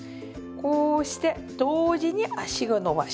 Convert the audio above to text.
こうして同時に足を伸ばし。